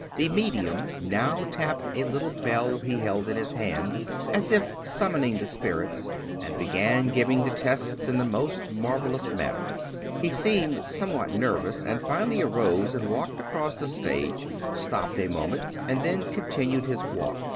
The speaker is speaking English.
The medium now tapped a little bell he held in his hand, as if summoning the spirits, and began giving the tests in the most marvel ous manner. He seemed somewhat nervous, and finally arose and walked across the stage, stopped a moment and then continued his walk.